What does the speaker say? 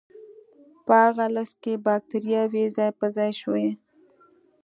په هغه لست کې بکتریاوې ځای په ځای شوې.